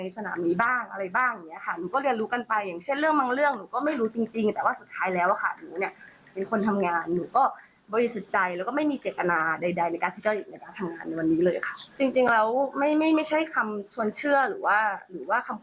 ซึ่งตรงนี้เมก็มีการให้การกับเจ้าหน้าที่ตำรวจแล้วค่ะ